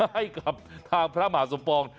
ให้กับทางพระมหาสมปอง